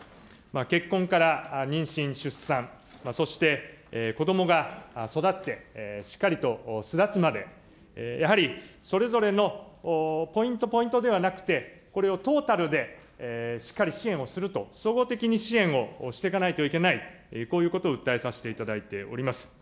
結婚から妊娠・出産、そして子どもが育って、しっかりと巣立つまで、やはり、それぞれのポイントポイントではなくて、これをトータルでしっかり支援をすると、総合的に支援をしていかなければいけないと、こういうことを訴えさせていただいております。